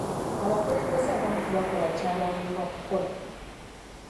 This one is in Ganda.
Abakulembeze abamu tebakola kyabaweebwa kukola.